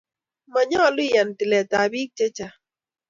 Manyolu iyan tiletab bik chechang